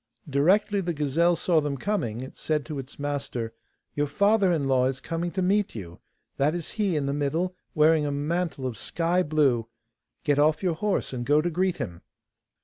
Directly the gazelle saw them coming, it said to its master: 'Your father in law is coming to meet you; that is he in the middle, wearing a mantle of sky blue. Get off your horse and go to greet him.